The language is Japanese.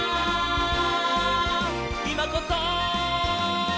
「いまこそ！」